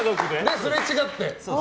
すれ違って。